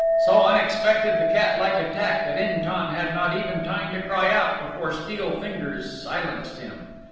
So unexpected the catlike attack that In tan had not even time to cry out before steel fingers silenced him.